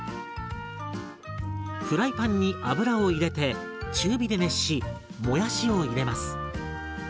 フライパンに油を入れて中火で熱しもやしを入れます。